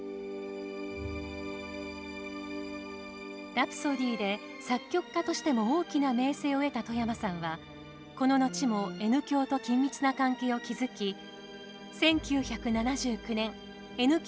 「ラプソディー」で作曲家としても大きな名声を得た外山さんはこの後もＮ響と緊密な関係を築き１９７９年Ｎ響